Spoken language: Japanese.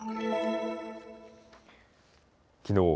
きのう